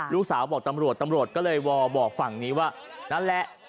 ลูกสาวบอกตำรวจตำรวจก็เลยวอลบอกฝั่งนี้ว่านั่นแหละ